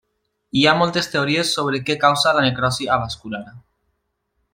Hi ha moltes teories sobre què causa la necrosi avascular.